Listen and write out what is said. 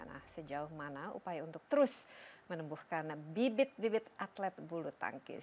nah sejauh mana upaya untuk terus menembuhkan bibit bibit atlet bulu tangkis